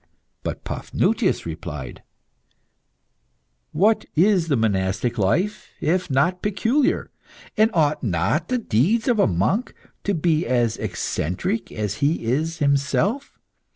But Paphnutius replied "What is the monastic life if not peculiar? And ought not the deeds of a monk to be as eccentric as he is himself?